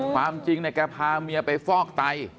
ความจริงเนี่ยแกพาเมียไปฟอกไต